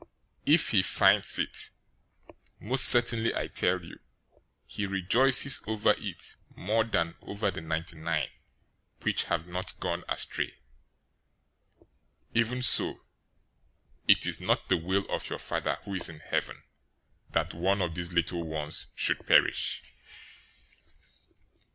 018:013 If he finds it, most certainly I tell you, he rejoices over it more than over the ninety nine which have not gone astray. 018:014 Even so it is not the will of your Father who is in heaven that one of these little ones should perish.